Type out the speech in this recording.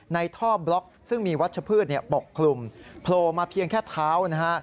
ในท่อบล็อกซึ่งมีวัชพืชปกคลุมโผล่มาเพียงแค่เท้านะฮะ